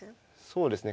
そうですね。